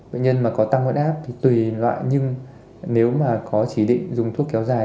bệnh nhân mà có tăng huyết áp thì tùy loại nhưng nếu mà có chỉ định dùng thuốc kéo dài